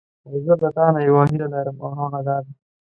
خو زه له تانه یوه هیله لرم او هغه دا ده.